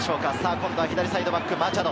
今度は左サイドバック、マチャド。